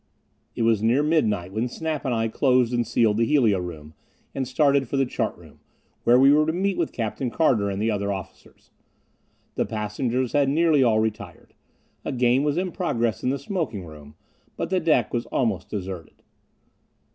It was near midnight when Snap and I closed and sealed the helio room and started for the chart room, where we were to meet with Captain Carter and the other officers. The passengers had nearly all retired. A game was in progress in the smoking room, but the deck was almost deserted.